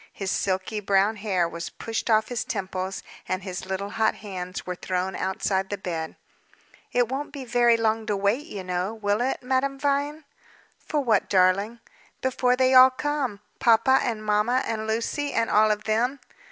His silky brown hair was pushed off his temples, and his little hot hands were thrown outside the bed. "It won't be very long to wait, you know, will it, Madame Vine?" "For what, darling?" "Before they all come. Papa and mamma, and Lucy, and all of them."